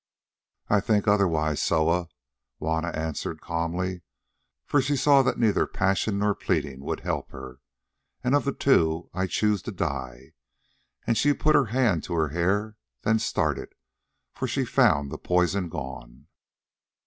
"I think otherwise, Soa," Juanna answered calmly, for she saw that neither passion nor pleading would help her, "and of the two I choose to die," and she put her hand to her hair, then started, for she found the poison gone.